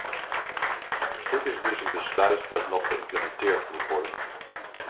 Dit is dus een besluit dat nog geïmplementeerd moet worden.